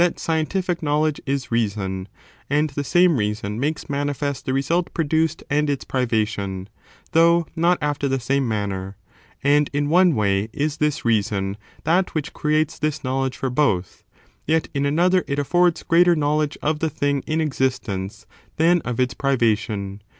Difference scientific knowledge is reason, and the same l?„?lS[ i'*«^ o ' 111 "^® powers of reason makes manifest the result produced and these two its privation, though not after the same manner; te"tiSt°/«^ and in one way is this reason that which creates counted for. this knowledge for both,^ yet in another it affords greater knowledge of the thing in existence than of its privation.